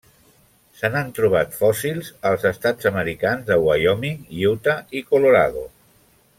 Se n'han trobat fòssils als estats americans de Wyoming, Utah i Colorado.